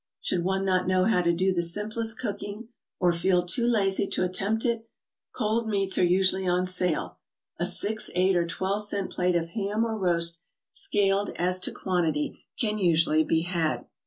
Should one not know how to do the simplest cooking or feel too lazy to attempt it, cold meats are usually on sale; a six, eight, or twelve cent plate of ham or roast, scaled as to quantity, can usually be had.